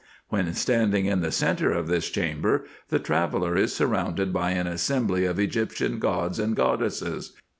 When standing in the centre of this chamber, the traveller is surrounded by an assembly of Egyptian gods and goddesses.